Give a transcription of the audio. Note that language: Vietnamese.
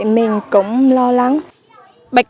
miền trung và tây nguyên